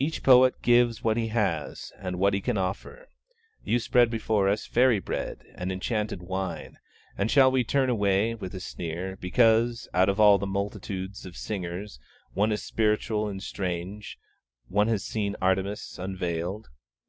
Each poet gives what he has, and what he can offer; you spread before us fairy bread, and enchanted wine, and shall we turn away, with a sneer, because, out of all the multitudes of singers, one is spiritual and strange, one has seen Artemis unveiled?